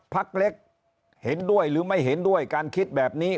พักเล็กเห็นด้วยหรือไม่เห็นด้วยการคิดแบบนี้